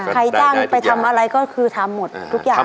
ใครจ้างไปทำอะไรก็คือทำหมดทุกอย่าง